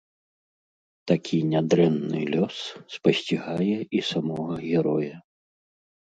Такі нядрэнны лёс спасцігае і самога героя.